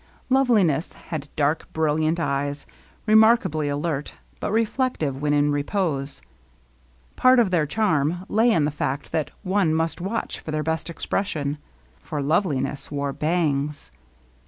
Loveliness had dark, brilliant eyes, remarkably alert, but reflective when in repose. Part of their charm lay in the fact that one must watch for their best expression; for Loveliness wore bangs.